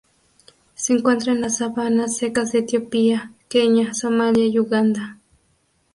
Se encuentra en las sabanas secas de Etiopía, Kenia, Somalia y Uganda.